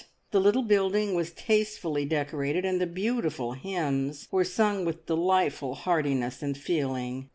The little building was tastefully decorated, and the beautiful hymns were sung with delightful heartiness and feeling.